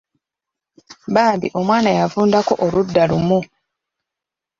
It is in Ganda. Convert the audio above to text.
Bambi omwana yavundako oludda lumu.